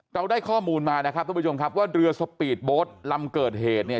เราได้ข้อมูลมานะครับทุกผู้ชมครับว่าเรือสปีดโบสต์ลำเกิดเหตุเนี่ย